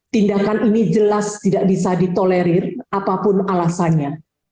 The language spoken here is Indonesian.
tindakan ini jelas tidak bisa ditolerir apapun alasannya